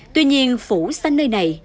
tuy nhiên phủ xanh nơi này